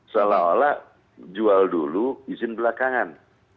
salah alah jual dulu izin belakangan